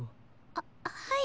あっはい。